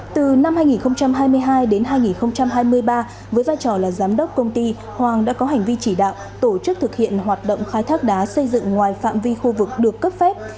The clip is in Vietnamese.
từ năm hai nghìn hai mươi hai đến hai nghìn hai mươi ba với vai trò là giám đốc công ty hoàng đã có hành vi chỉ đạo tổ chức thực hiện hoạt động khai thác đá xây dựng ngoài phạm vi khu vực được cấp phép